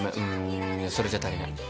んそれじゃ足りない。